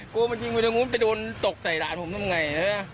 กลัวมันยิงไปทางนู้นไปโดนตกใส่หลานผมทำไง